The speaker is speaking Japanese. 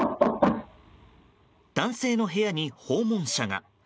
男性の部屋に訪問者が。